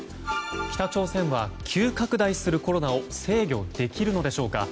北朝鮮は急拡大するコロナを制御できるのでしょうか。